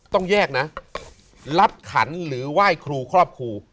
ต้องแยกนะรับขันหรือไหว้ครูครอบครู